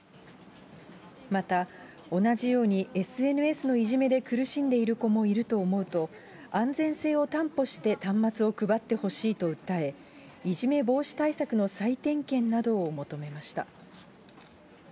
また同じように、ＳＮＳのいじめで苦しんでいる子もいると思うと、安全性を担保して端末を配ってほしいと訴え、いじめ防止対策の再点検などを求めました。